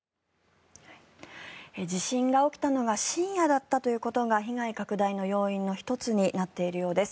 地震が起きたのが深夜だったということが被害拡大の要因の１つになっているようです。